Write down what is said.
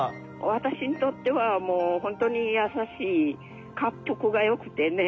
私にとってはもう本当に優しいかっぷくがよくてね